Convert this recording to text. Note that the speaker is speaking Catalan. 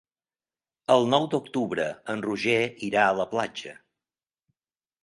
El nou d'octubre en Roger irà a la platja.